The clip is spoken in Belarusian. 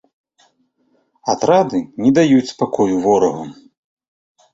Атрады не даюць спакою ворагу.